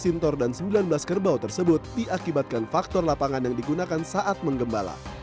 empat sintor dan sembilan belas kerbau tersebut diakibatkan faktor lapangan yang digunakan saat menggembala